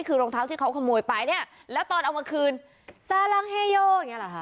คือรองเท้าที่เขาขโมยไปเนี่ยแล้วตอนเอามาคืนซาลังเฮโยอย่างเงี้เหรอคะ